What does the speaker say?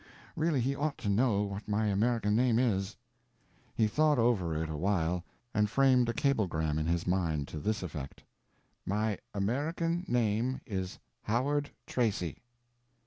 Really he ought to know what my American name is." He thought over it a while and framed a cablegram in his mind to this effect: "My American name is Howard Tracy."